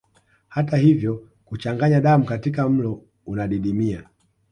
Hata hivyo kuchanganya damu katika mlo unadidimia